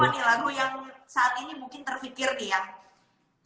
ya waktu itu ada lagu yang saat ini mungkin terfikir nih yang